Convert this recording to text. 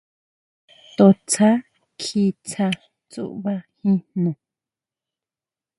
To tsja kjí tsá tsúʼba jín jno.